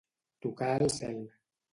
Tocar el cel.